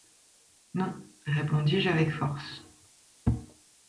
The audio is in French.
Non, répondis-je avec force.